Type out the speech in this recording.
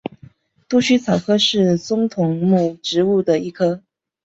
多须草科是棕榈目植物的一科。